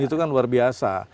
itu kan luar biasa